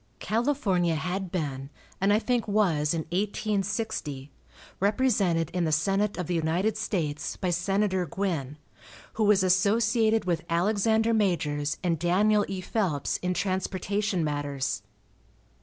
California had been, and I think was, in 1860, represented in the senate of the United States by Senator Guin, who was associated with Alexander Majors and Daniel E. Phelps in transportation matters.